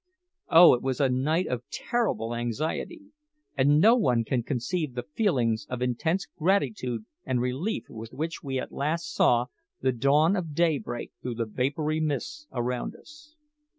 Oh, it was a night of terrible anxiety! and no one can conceive the feelings of intense gratitude and relief with which we at last saw the dawn of day break through the vapoury mists around us.